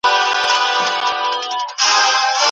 ښکلي سترګي دي ویشتل کړي ته وا ډکي توپنچې دي